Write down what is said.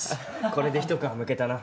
・これで一皮むけたな。